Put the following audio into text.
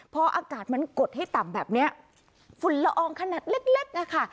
พออากาศมันกดให้ต่ำแบบนี้ฝุ่นละอองขนาดเล็กนะคะ